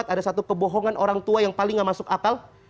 ada satu kebohongan orang tua yang paling gak masuk akal